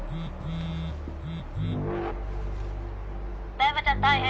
「台場ちゃん大変」